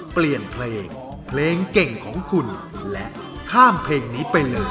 เปลี่ยนเพลงเพลงเก่งของคุณและข้ามเพลงนี้ไปเลย